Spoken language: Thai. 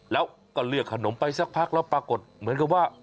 แล้วก็เลือกขนมไปสักพักแล้วปรากฏเหมือนกับว่า